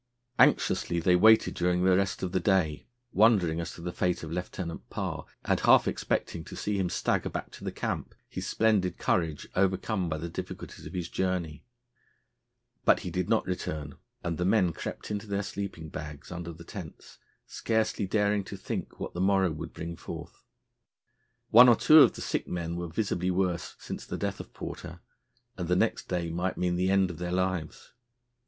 '" Anxiously they waited during the rest of the day, wondering as to the fate of Lieutenant Parr, and half expecting to see him stagger back to the camp, his splendid courage overcome by the difficulties of his journey. But he did not return, and the men crept into their sleeping bags under the tents scarcely daring to think what the morrow would bring forth. One or two of the sick men were visibly worse since the death of Porter, and the next day might mean the end of their lives.